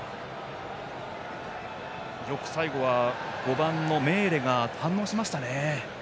よく最後は５番のメーレが反応しましたね。